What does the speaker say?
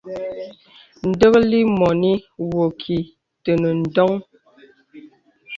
Dəklì mɔnì wɔ kì tənə ǹdɔŋ.